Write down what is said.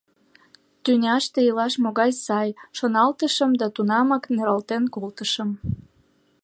«Тӱняште илаш могай сай!» — шоналтышым да тунамак нералтен колтышым.